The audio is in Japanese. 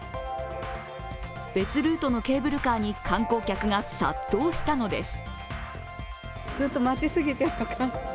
別ルートのケーブルカーに観光客が殺到したのです。